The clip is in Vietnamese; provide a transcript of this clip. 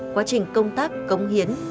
quá trình công tác công hiến